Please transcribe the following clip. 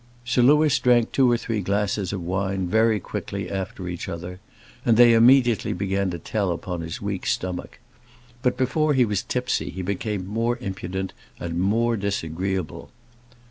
Sir Louis drank two or three glasses of wine very quickly after each other, and they immediately began to tell upon his weak stomach. But before he was tipsy, he became more impudent and more disagreeable.